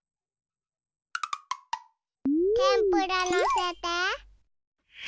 てんぷらのせて。